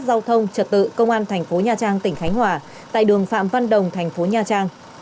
giao thông trật tự công an thành phố nha trang tỉnh khánh hòa tại đường phạm văn đồng thành phố nha trang